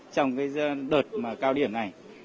trong cái đợt mà cao điểm này